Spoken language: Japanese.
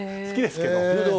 好きですけど。